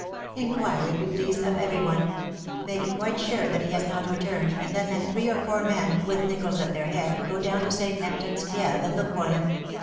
''" Inquire, if you please, of every one. Make quite sure that he has not returned, and then let three or four men, with Nicholls at their head, go down to St. Nectan's Kieve and look for him.